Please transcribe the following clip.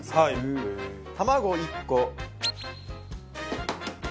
卵１個。